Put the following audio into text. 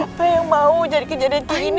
tapi siapa yang mau kejadian ini